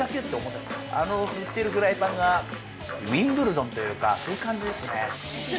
ふってるフライパンがウィンブルドンというか、そういう感じですね。